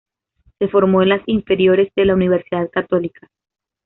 Se formó en las inferiores de la Universidad Católica.